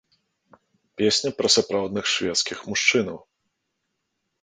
Песня пра сапраўдных шведскіх мужчынаў.